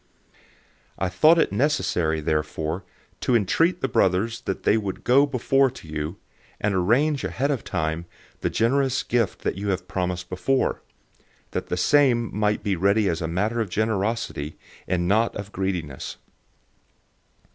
009:005 I thought it necessary therefore to entreat the brothers that they would go before to you, and arrange ahead of time the generous gift that you promised before, that the same might be ready as a matter of generosity, and not of greediness.